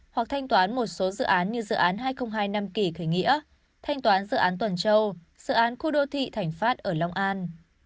hoặc thanh toán một số dự án như dự án hai nghìn hai mươi năm kỳ khởi nghĩa thanh toán dự án tuần châu dự án khu đô thị thành pháp ở long an